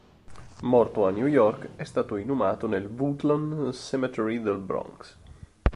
Morto a New York, è stato inumato nel Woodlawn Cemetery del Bronx.